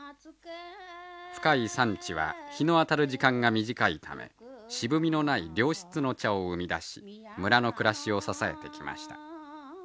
深い山地は日の当たる時間が短いため渋みのない良質の茶を生み出し村の暮らしを支えてきました。